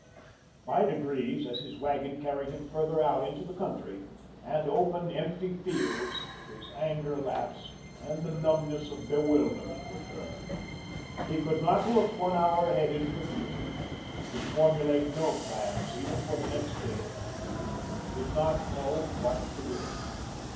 By degrees, as his wagon carried him farther out into the country, and open empty fields, his anger lapsed, and the numbness of bewilderment returned. He could not look one hour ahead into the future; could formulate no plans even for the next day. He did not know what to do.